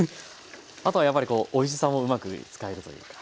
あとはやっぱりこうおいしさもうまく使えるというか。